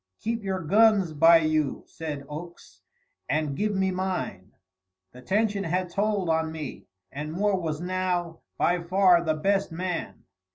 "Keep your guns by you," said Oakes, "and give me mine." The tension had told on me, and Moore was now by far the best man.